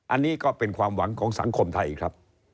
อันนี้ก็เป็นความหวังของสังคมไทยครับ